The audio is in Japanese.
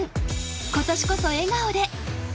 今年こそ笑顔で。